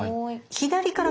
左から。